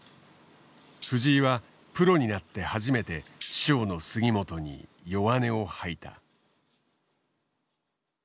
藤井はプロになって初めて師匠の杉本に弱音を吐いた。